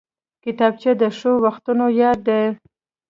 کتابچه د ښو وختونو یاد دی